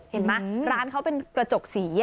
เห็นไหมร้านเขาเป็นกระจกสี